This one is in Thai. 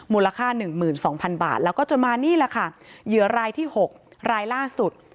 มูลค่า๑๒๐๐๐บาทแล้วก็จนมานี่แหละค่ะเหยื่อรายที่๖รายล่าสุด